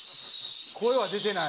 「声は出てない」